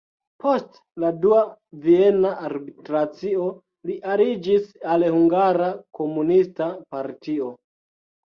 Post la Dua Viena Arbitracio li aliĝis al hungara komunista partio.